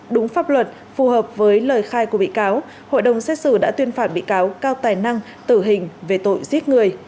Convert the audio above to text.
đúng pháp luật phù hợp với lời khai của bị cáo hội đồng xét xử đã tuyên phạt bị cáo cao tài năng tử hình về tội giết người